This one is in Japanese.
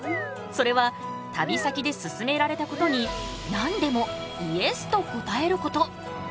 それは旅先ですすめられたことに何でも「イエス！」と答えること。